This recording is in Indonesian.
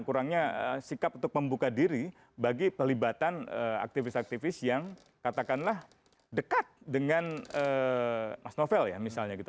kurangnya sikap untuk membuka diri bagi pelibatan aktivis aktivis yang katakanlah dekat dengan mas novel ya misalnya gitu